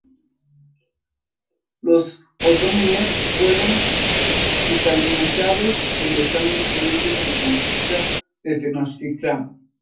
Los otomíes fueron cristianizados en los años siguientes a la Conquista de Tenochtitlán.